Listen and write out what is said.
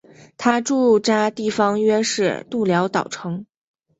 他驻扎地方约是社寮岛城。